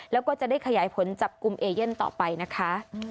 แล้วก็จะได้ขยายผลจับกลุ่มเอเย่นต่อไปนะคะ